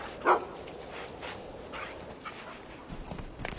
あっ。